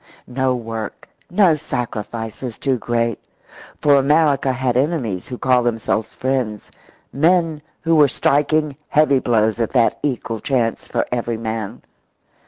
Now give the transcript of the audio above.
No work, no sacrifice was too great, for America had enemies who called themselves friends, men who were striking heavy blows at that equal chance for every man.